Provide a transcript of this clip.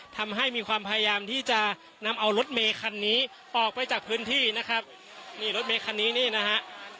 ทำให้มีความพยายามที่จะนำเอารถเมคันนี้ออกไปจากพื้นที่นะครับนี่รถเมคันนี้นี่นะฮะ